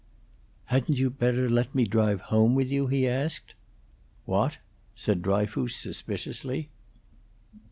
"Hadn't you better let me drive home with you?" he asked. "What?" said Dryfoos, suspiciously.